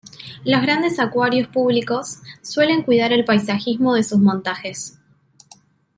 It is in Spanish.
Los grandes acuarios públicos suelen cuidar el paisajismo de sus montajes.